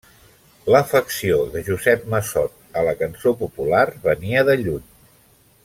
L’afecció de Josep Massot a la cançó popular venia de lluny.